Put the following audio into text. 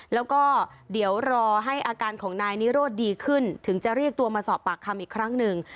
แล้วก็เดี๋ยวรอให้อาการของนายนิโรธดีขึ้นถึงจะเรียกตัวมาสอบปากคำอีกครั้งหนึ่ง